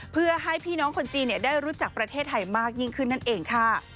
เพื่อให้พี่น้องคนจีนได้รู้จักประเทศไทยมากยิ่งขึ้นนั่นเองค่ะ